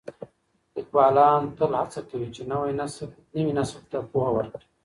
ليکوالان تل هڅه کوي چي نوي نسل ته پوهه ورکړي.